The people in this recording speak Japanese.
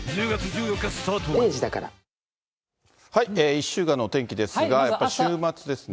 １週間のお天気ですが、週末ですね。